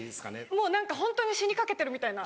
もう何かホントに死にかけてるみたいな。